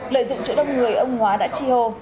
lợi dụng chỗ đông người ông hóa đã chi hô